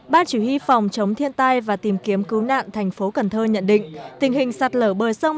ban chủ yếu phòng chống thiên tai và tìm kiếm cứu nạn tp cần thơ nhận định tình hình sạt lở bơi sông